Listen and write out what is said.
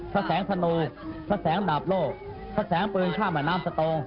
พระบาทเลี้ยวแสงใจลอยว่าซึ่งราวละละ